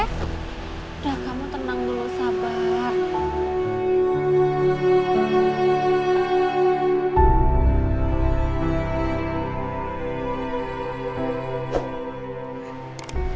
sudah kamu tenang dulu sabar